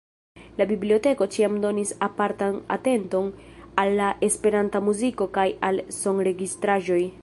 La biblioteko ĉiam donis apartan atenton al la esperanta muziko kaj al sonregistraĵoj.